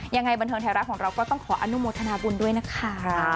ยังไงบันเทิงไทยรัฐของเราก็ต้องขออนุโมทนาบุญด้วยนะคะ